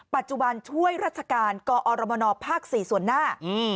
ปัจจุบันช่วยราชการกอรมนภ๔ส่วนหน้า